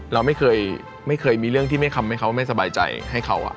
เราไม่เคยมีเรื่องที่ไม่ทำให้เขาไม่สบายใจให้เขา